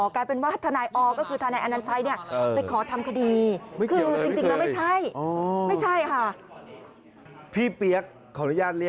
กลายเป็นว่าทนายอก็คือทนายอนัญชัยเนี่ยไปขอทำคดี